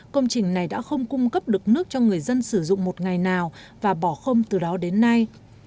công trình này đã không cung cấp được nước cho người dân sử dụng một ngày nào và bỏ không từ đó đến nay